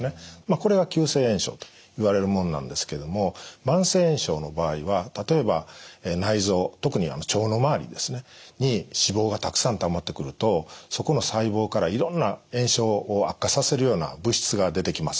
これは急性炎症といわれるものなんですけども慢性炎症の場合は例えば内臓特に腸の周りですねに脂肪がたくさんたまってくるとそこの細胞からいろんな炎症を悪化させるような物質が出てきます。